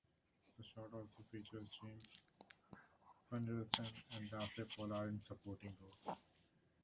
The short also features James Finlayson and Daphne Pollard in supporting roles.